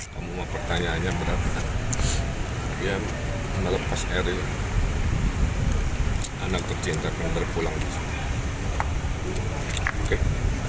kamu mau pertanyaan yang berat